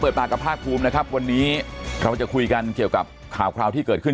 ปากกับภาคภูมินะครับวันนี้เราจะคุยกันเกี่ยวกับข่าวคราวที่เกิดขึ้น